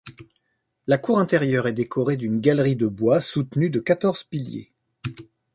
La cour intérieure est décorée d'une galerie de bois soutenue de quatorze piliers.